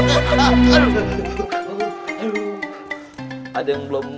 ada yang belum